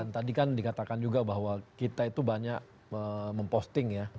tadi kan dikatakan juga bahwa kita itu banyak memposting ya